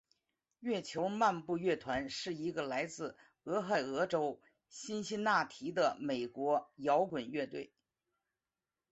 月球漫步乐团是一个来自俄亥俄州辛辛那提的美国摇滚乐队。